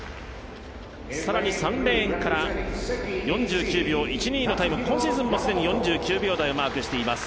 さらに３レーンから４９秒１２のタイム、今シーズンすでに４９秒台をマークしています